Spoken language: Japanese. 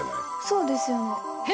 そうですよね。